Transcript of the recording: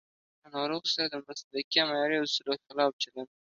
له ناروغ سره د مسلکي او معیاري اصولو خلاف چلند